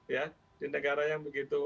ya di negara yang begitu